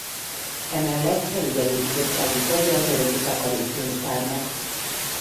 Emellett felügyelő bizottsági tagja a Dorogi Takarékpénztárnak.